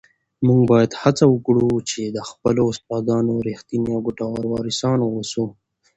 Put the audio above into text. موږ باید هڅه وکړو چي د خپلو استادانو رښتیني او ګټور وارثان واوسو.